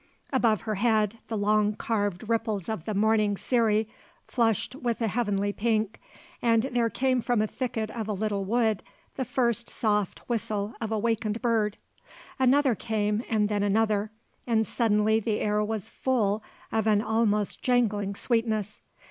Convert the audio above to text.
Above her head the long, carved ripples of the morning cirri flushed with a heavenly pink and there came from a thicket of a little wood the first soft whistle of a wakened bird. Another came and then another, and suddenly the air was full of an almost jangling sweetness.